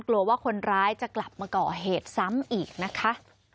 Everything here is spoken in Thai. กลัวว่าคนร้ายจะกลับมาก่อเหตุซ้ำอีกนะคะ